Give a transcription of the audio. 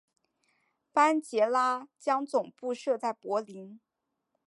班杰拉将总部设在柏林。